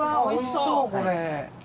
おいしそうこれ。